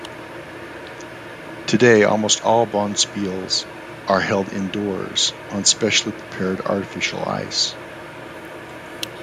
Today almost all bonspiels are held indoors on specially prepared artificial ice.